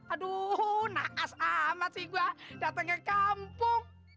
aduh naas amat sih gue datang ke kampung